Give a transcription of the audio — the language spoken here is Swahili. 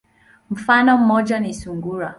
Mfano moja ni sungura.